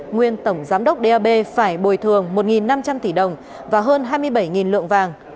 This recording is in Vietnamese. nguyên tổng giám đốc dap phải bồi thường một năm trăm linh tỷ đồng và hơn hai mươi bảy lượng vàng